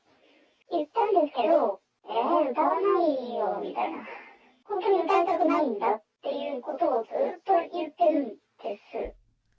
言ったんですけど、えー、歌わないよーみたいな、本当に歌いたくないんだっていうことをずっと言ってるんです。